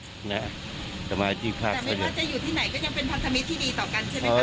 แต่ไม่ว่าจะอยู่ที่ไหนก็ยังเป็นพันธมิตรที่ดีต่อกันใช่ไหมคะ